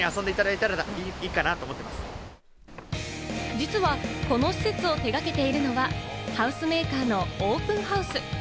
実はこの施設を手がけているのは、ハウスメーカーのオープンハウス。